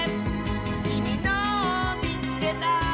「きみのをみつけた！」